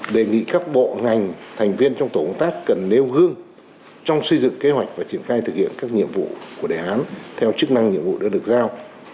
đề nghị các bộ ngành thành viên trong tổ công tác cần nêu gương trong xây dựng kế hoạch và triển khai thực hiện các nhiệm vụ của đề án theo chức năng nhiệm vụ đã được giao